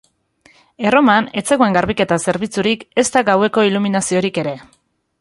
Erroman ez zegoen garbiketa zerbitzurik ezta gaueko iluminaziorik ere.